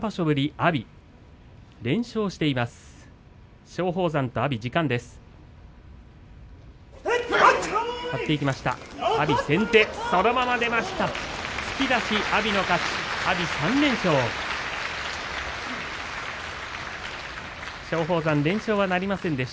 阿炎３連勝です。